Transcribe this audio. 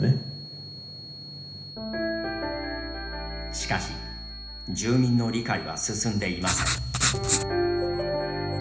しかし、住民の理解は進んでいません。